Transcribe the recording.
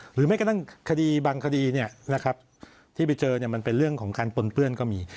หรือไม่ก็ตั้งคดีบางคดีนะครับที่ไปเจอเนี่ยมันเป็นเรื่องของการปนเปื้อนก็มี